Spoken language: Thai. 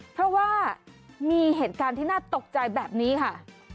เพราะว่ามีเหตุการณ์ที่น่าตกใจแบบนี้ค่ะ